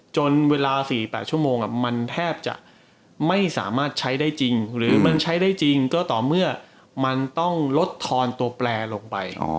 จนเวลา๔๘ชั่วโมงมันแทบจะไม่สามารถใช้ได้จริงหรือมันใช้ได้จริงก็ต่อเมื่อมันต้องลดทอนตัวแปลลงไป